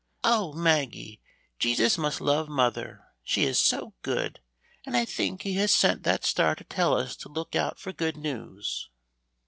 Oh! Maggie, Jesus must love mother; she is so good, and I think He has sent that star to tell us to look out for good news."